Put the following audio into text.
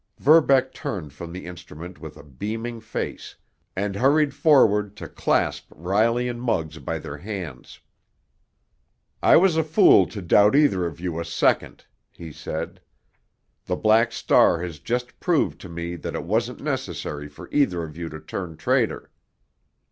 Verbeck turned from the instrument with a beaming face, and hurried forward to clasp Riley and Muggs by their hands. "I was a fool to doubt either of you a second," he said. "The Black Star has just proved to me that it wasn't necessary for either of you to turn traitor."